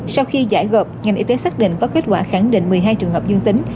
sau khi giải gợp ngành y tế xác định có kết quả khẳng định một mươi hai trường hợp dương tính